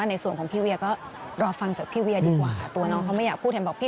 คนนแน่นอนจะปรับลดสถานะ๙ปี